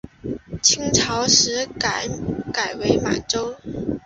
清朝时改为满洲。